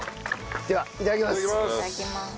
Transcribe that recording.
ではいただきます。